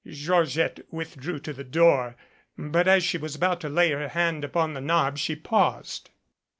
Georgette withdrew to the door but as she was about to lay her hand upon the knob she paused.